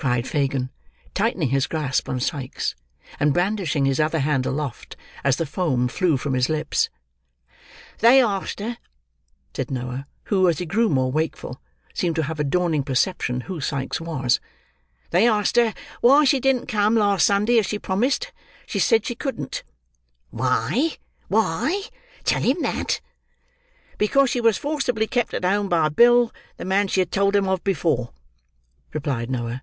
cried Fagin, tightening his grasp on Sikes, and brandishing his other hand aloft, as the foam flew from his lips. "They asked her," said Noah, who, as he grew more wakeful, seemed to have a dawning perception who Sikes was, "they asked her why she didn't come, last Sunday, as she promised. She said she couldn't." "Why—why? Tell him that." "Because she was forcibly kept at home by Bill, the man she had told them of before," replied Noah.